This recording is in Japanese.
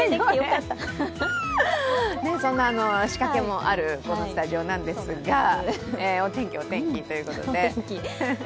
そんな仕掛けもあるこのスタジオなんですが、お天気、お天気ということで。